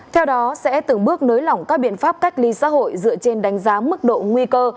theo đó sẽ từng bước nới lỏng các biện pháp cách ly xã hội dựa trên đánh giá mức độ nguy cơ